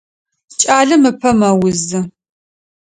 Кӏалэм ыпэ мэузы.